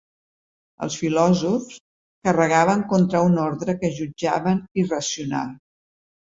Els filòsofs carregaven contra un ordre que jutjaven irracional.